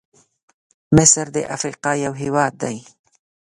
مصرد افریقا یو هېواد دی.